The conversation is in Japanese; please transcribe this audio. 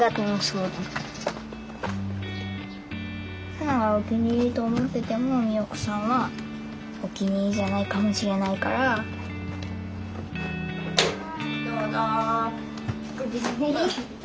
サナがお気に入りと思ってても美代子さんはお気に入りじゃないかもしれないからはいどうぞ。